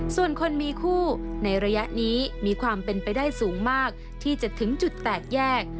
ส่วนคนมีคู่ในระยะนี้มีความเป็นไปได้สูงมากที่จะถึงจุดแตกแยก